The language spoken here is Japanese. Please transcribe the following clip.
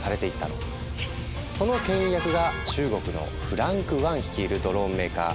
その牽引役が中国のフランク・ワン率いるドローンメーカー。